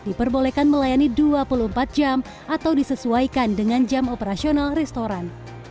diperbolehkan melayani dua puluh empat jam atau disesuaikan dengan jam operasional restoran